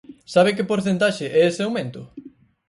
¿Sabe que porcentaxe é ese aumento?